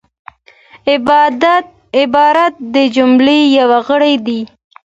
عبارت د جملې یو غړی دئ.